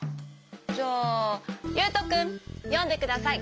じゃあゆうとくんよんでください。